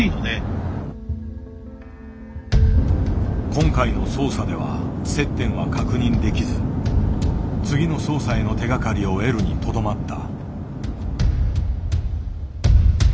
今回の捜査では接点は確認できず次の捜査への手がかりを得るにとどまった。